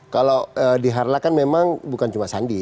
kalau di harlah kan memang bukan cuma sandi